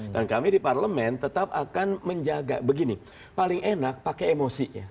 dan kami di parlemen tetap akan menjaga begini paling enak pakai emosi